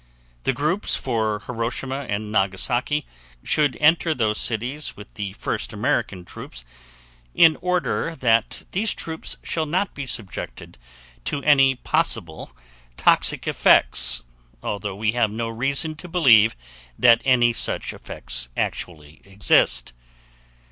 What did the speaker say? THE GROUPS FOR HIROSHIMA AND NAGASAKI SHOULD ENTER THOSE CITIES WITH THE FIRST AMERICAN TROOPS IN ORDER THAT THESE TROOPS SHALL NOT BE SUBJECTED TO ANY POSSIBLE TOXIC EFFECTS ALTHOUGH WE HAVE NO REASON TO BELIEVE THAT ANY SUCH EFFECTS ACTUALLY EXIST.